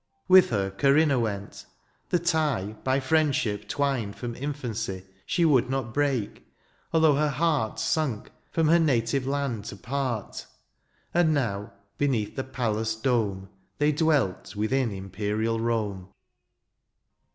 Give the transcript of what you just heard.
With her Corinna went ; the tie. By firiendship twined from infancy. She would not break, although her heart Sunk, from her native land to part. And now, beneath a palace dome. They dwelt within imperial Rome.